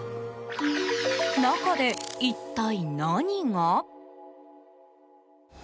中で一体何が？